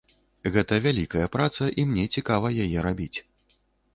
Гэта вялікая праца, і мне цікава яе рабіць.